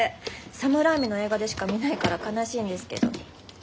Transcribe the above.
サム・ライミの映画でしか見ないから悲しいんですけど。